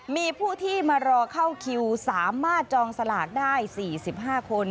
มีผู้ที่มารอเข้าคิวสามารถจองสลากได้๔๕คน